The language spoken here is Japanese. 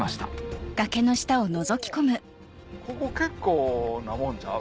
おここ結構なもんちゃう？